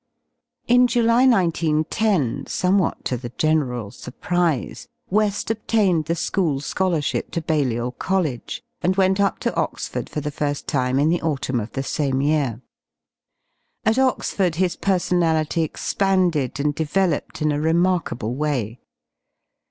r' In July 1 9 10, somewhat to the general surprise , JVeSl "1^ obtained the School Scholarship to Balliol College, and went \ up to Oxford for the fir ft time in the autumn of the same year. \^^ jit Oxford his personality expanded and developed in a ^^^ remarkable way.